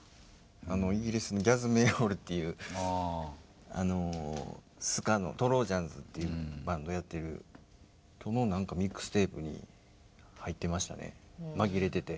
イギリスにギャズ・メイオールっていうスカのトロージャンズっていうバンドやってる。との何かミックステープに入ってましたね紛れてて。